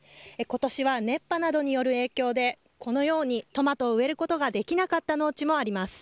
ことしは熱波などによる影響で、このようにトマトを植えることができなかった農地もあります。